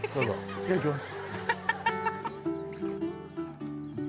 いただきます。